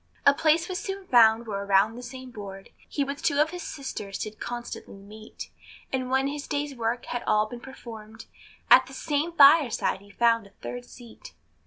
A place was soon found where around the same board, He with two of his sisters did constantly meet; And when his day's work had all been performed, At the same fireside he found a third seat.